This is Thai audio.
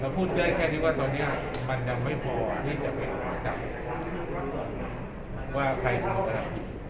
พูดได้แค่ที่ว่าตอนนี้มันยังไม่พอที่จะไปหาจับว่าใครทำอะไร